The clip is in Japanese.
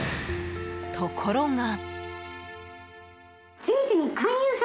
ところが。